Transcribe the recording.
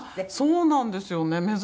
そうなんですよね。